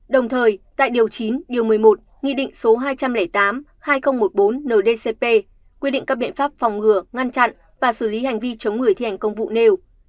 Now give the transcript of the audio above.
đồng thời tại điều chín điều một mươi một nghị định số hai trăm linh tám hai nghìn một mươi bốn ndcp quy định các biện pháp phòng ngừa ngăn chặn và xử lý hành vi chống người thi hành công vụ nêu